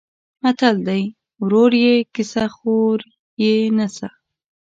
متل دی: ورور یې کسه خور یې نسه.